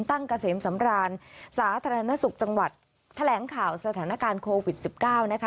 เกษมสำรานสาธารณสุขจังหวัดแถลงข่าวสถานการณ์โควิด๑๙นะคะ